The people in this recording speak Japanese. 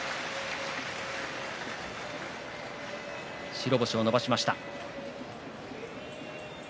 白星を伸ばしました。